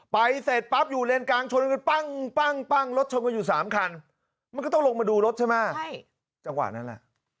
ไปเสร็จป๊าบอยู่เลนกลางชมปังลดจงอยู่สามขันมันก็ต้องลงมาดูรถใช่ไหมใช่จังหวะนั้นแหละ